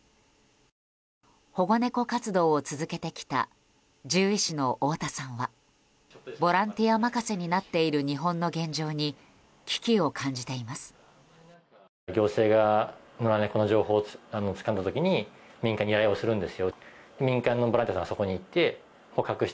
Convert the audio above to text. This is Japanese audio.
保護猫活動を続けてきた獣医師の太田さんはボランティア任せになっている日本の現状に危機を感じています。